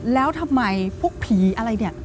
แล้วทำไมพวกผีอะไรเนี่ย